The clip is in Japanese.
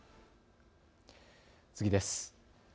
次です。